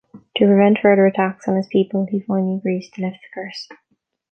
To prevent further attacks on his people, he finally agrees to lift the curse.